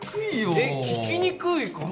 聞きにくいよ。